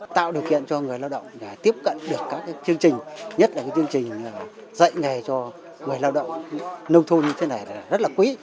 tạo điều kiện cho người lao động tiếp cận được các chương trình nhất là chương trình dạy nghề cho người lao động nông thôn như thế này rất là quý